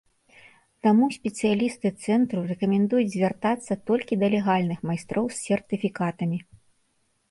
Таму спецыялісты цэнтру рэкамендуюць звяртацца толькі да легальных майстроў з сертыфікатамі.